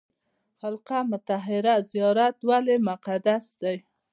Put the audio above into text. خرقه مطهره زیارت ولې مقدس دی؟